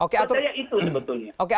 saya percaya itu sebetulnya